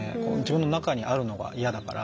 中にあるのが嫌だから。